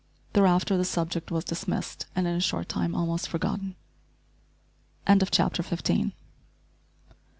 Thereafter the subject was dismissed, and in a short time almost forgotten. CHAPTER SIXTEEN.